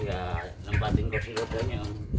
ya nempatin kursi rodanya